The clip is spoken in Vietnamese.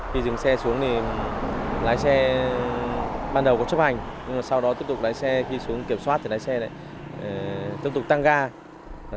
khi dừng xe xuống thì lái xe ban đầu có chấp hành nhưng mà sau đó tiếp tục lái xe khi xuống kiểm soát thì lái xe lại tiếp tục tăng ga